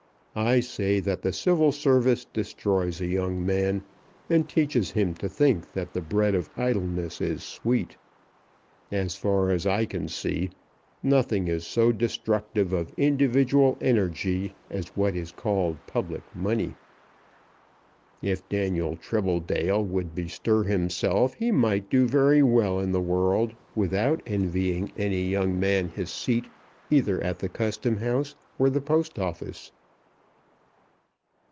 I say that the Civil Service destroys a young man, and teaches him to think that the bread of idleness is sweet. As far as I can see, nothing is so destructive of individual energy as what is called public money. If Daniel Tribbledale would bestir himself he might do very well in the world without envying any young man his seat either at the Custom House or the Post Office."